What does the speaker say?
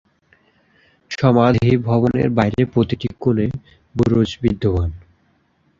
সমাধি ভবনের বাইরে প্রতিটি কোণে বুরুজ বিদ্যমান।